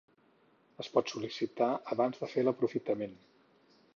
Es pot sol·licitar abans de fer l'aprofitament.